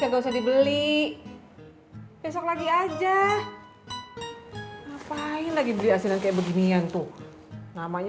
gak usah dibeli besok lagi aja ngapain lagi beli asinan kayak beginian tuh namanya